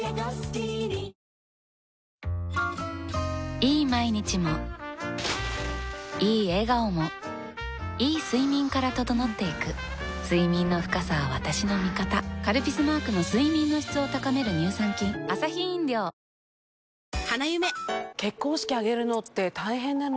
いい毎日もいい笑顔もいい睡眠から整っていく睡眠の深さは私の味方「カルピス」マークの睡眠の質を高める乳酸菌洗っても落ちない